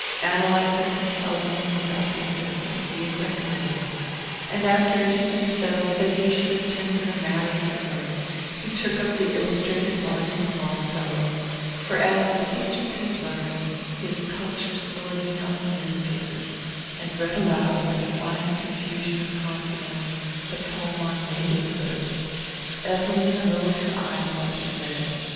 Ann Eliza consulted him about the investment he had recommended, and after it had been settled that he should attend to the matter for her he took up the illustrated volume of Longfellow for, as the sisters had learned, his culture soared beyond the newspapers and read aloud, with a fine confusion of consonants, the poem on "Maidenhood." Evelina lowered her lids while he read.